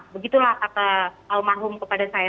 begitulah kata almarhum kepada saya